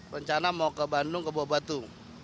rencana mau ke bandung ke bawabatu